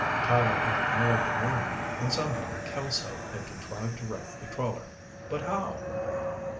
Tyler had ignored the warning and somehow Kelso had contrived to wreck the trawler. But how?